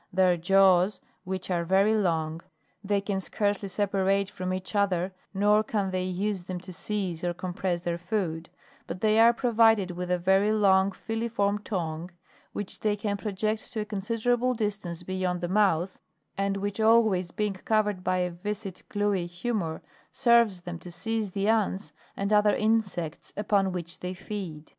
Their jaws, which are very long, they can scarcely separate from each other, nor can they use them to seize or compress their food ; but they are provided with a very long filiform tongue, which they can project to a considerable distance beyond the mouth, and which always being covered with a viscid, gluey humor, serves them to seize the ants and other insects upon which they feed.